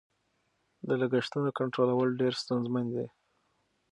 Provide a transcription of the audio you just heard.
د لګښتونو کنټرولول ډېر ستونزمن دي.